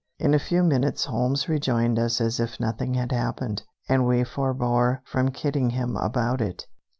In a few minutes Holmes rejoined us as if nothing had happened, and we forbore from kidding him about it.